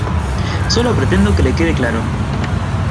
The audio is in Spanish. solo pretendo que le quede claro.